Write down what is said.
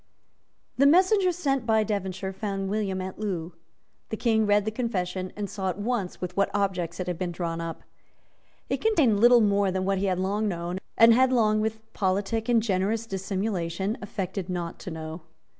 The messenger sent by Devonshire found William at Loo. The King read the confession, and saw at once with what objects it had been drawn up. It contained little more than what he had long known, and had long, with politic and generous dissimulation, affected not to know.